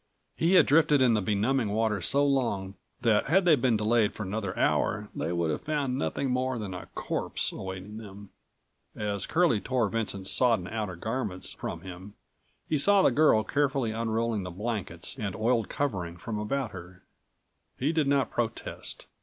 He had drifted in the benumbing water so long that had they been delayed for another hour they would have found nothing more than a corpse awaiting them. As Curlie tore Vincent's sodden outer garments from him he saw the girl carefully221 unrolling the blankets and oiled covering from about her. He did not protest.